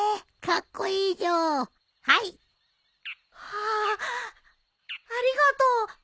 ハァありがとう。